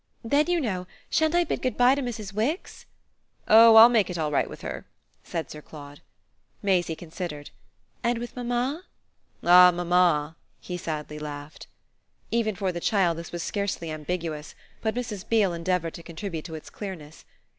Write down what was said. "Then, you know, shan't I bid goodbye to Mrs. Wix?" "Oh I'll make it all right with her," said Sir Claude. Maisie considered. "And with mamma?" "Ah mamma!" he sadly laughed. Even for the child this was scarcely ambiguous; but Mrs. Beale endeavoured to contribute to its clearness.